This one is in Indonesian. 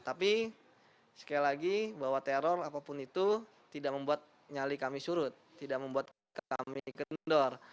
tapi sekali lagi bahwa teror apapun itu tidak membuat nyali kami surut tidak membuat kami kendor